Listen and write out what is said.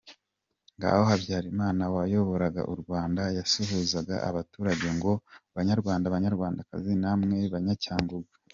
Ngo Habyarimana wayoboraga u Rwanda yasuhuzaga abaturage ngo “Banyarwanda, banyarwandakazi namwe Banyacyangugu.